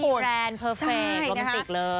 ของเอจจิแรนเพอร์เฟรคโรมติกเลย